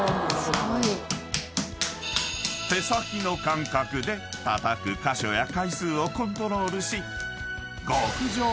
［手先の感覚でたたく箇所や回数をコントロールし］